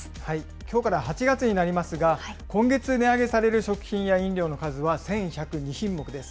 きょうから８月になりますが、今月値上げされる食品や飲料の数は１１０２品目です。